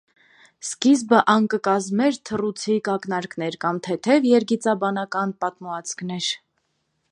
Սկիզբը ան կը կազմէր թռուցիկ ակնարկներ կամ թեթեւ երգիծաբանական պատմուածքներ։